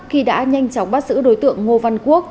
khi đã nhanh chóng bắt giữ đối tượng ngô văn quốc